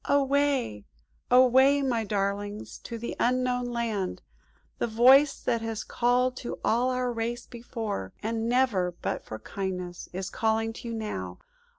"Away, away, my darlings, to the Unknown Land. The voice that has called to all our race before, and never but for kindness, is calling to you now!